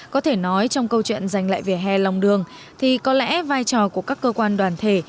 có thể nói trong câu chuyện dành lại vỉa hè lòng đường thì có lẽ vai trò của các cơ quan đoàn thể